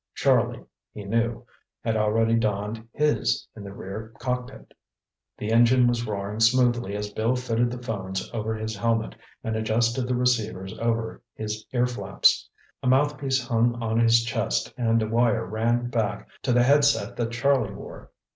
Charlie, he knew, had already donned his in the rear cockpit. The engine was roaring smoothly as Bill fitted the phones over his helmet and adjusted the receivers over his earflaps. A mouthpiece hung on his chest and a wire ran back to the headset that Charlie wore.